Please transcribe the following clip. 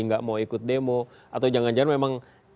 nggak mau ikut demo atau jangan jangan memang